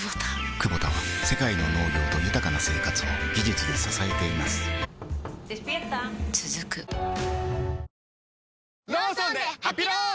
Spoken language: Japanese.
クボタは世界の農業と豊かな生活を技術で支えています起きて。